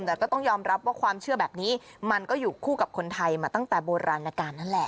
แต่ก็ต้องยอมรับว่าความเชื่อแบบนี้มันก็อยู่คู่กับคนไทยมาตั้งแต่โบราณการนั่นแหละ